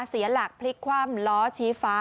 เสียหลักพลิกคว่ำล้อชี้ฟ้า